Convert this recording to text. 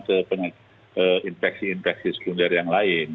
ke infeksi infeksi sekunder yang lain